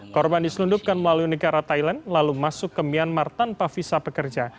korban diselundupkan melalui negara thailand lalu masuk ke myanmar tanpa visa pekerja